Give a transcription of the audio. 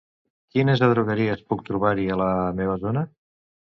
Quines adrogueries puc trobar-hi a la meva zona?